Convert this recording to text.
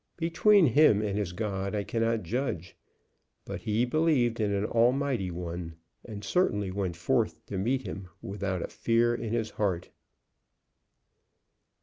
Between him and his God I cannot judge, but he believed in an Almighty One, and certainly went forth to meet him without a fear in his heart."